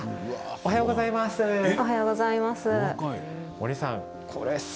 おはようございます。